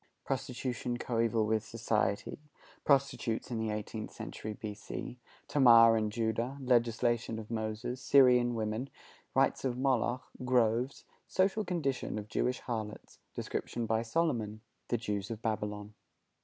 Prostitution coeval with Society. Prostitutes in the Eighteenth Century B.C. Tamar and Judah. Legislation of Moses. Syrian Women. Rites of Moloch. Groves. Social Condition of Jewish Harlots. Description by Solomon. The Jews of Babylon.